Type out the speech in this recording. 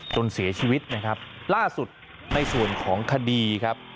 จนเสียชีวิตล่าสุดในส่วนของคดี